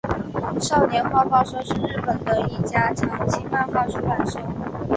少年画报社是日本的一家长青漫画出版社。